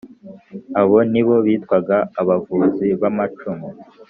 abo nibo bitwaga abavuzi b’amacumu.